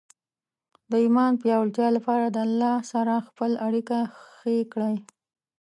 د ایمان پیاوړتیا لپاره د الله سره خپل اړیکه ښې کړئ.